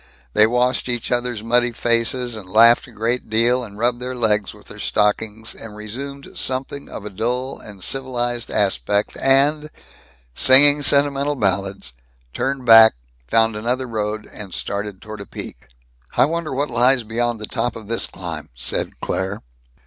They washed each other's muddy faces, and laughed a great deal, and rubbed their legs with their stockings, and resumed something of a dull and civilized aspect and, singing sentimental ballads, turned back, found another road, and started toward a peak. "I wonder what lies beyond the top of this climb?" said Claire.